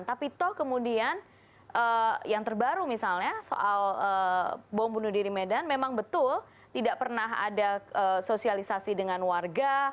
tapi toh kemudian yang terbaru misalnya soal bom bunuh diri medan memang betul tidak pernah ada sosialisasi dengan warga